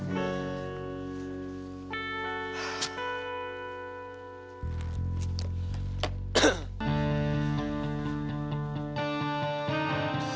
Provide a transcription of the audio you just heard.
masih ada yang mau diangkat